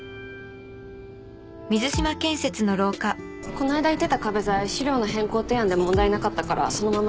こないだ言ってた壁材資料の変更提案で問題なかったからそのまま進めるね。